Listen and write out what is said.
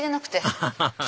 アハハハ！